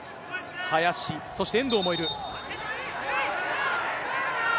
林、そして遠藤もいる。